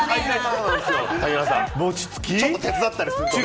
ちょっと手伝ったりするとね。